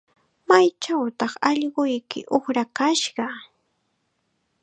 ¿Maychawtaq allquyki uqrakashqa?